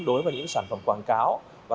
đối với những sản phẩm quảng cáo và